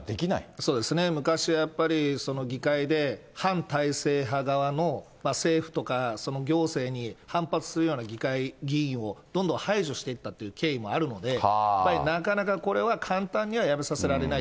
そうですね、昔はやっぱり、議会で、反体制派側の政府とか行政に反発するような議員を、どんどん排除していったという経緯もあるので、やっぱりなかなかこれは、簡単には辞めさせられない。